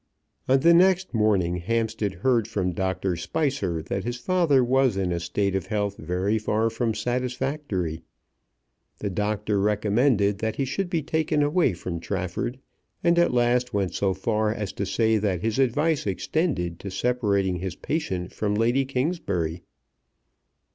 On the next morning Hampstead heard from Dr. Spicer that his father was in a state of health very far from satisfactory. The doctor recommended that he should be taken away from Trafford, and at last went so far as to say that his advice extended to separating his patient from Lady Kingsbury.